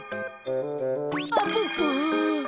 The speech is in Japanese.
あっぷっぷ。